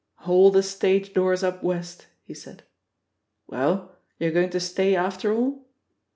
'^ "All the stage doors up West!" he said. "Well, you're going to stay, after all?"